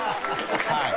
はい。